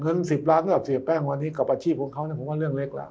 เงิน๑๐ล้านก็จะเสียแป้งวันนี้กับอาชีพของเขานี่คงก็เรื่องเล็กล่ะ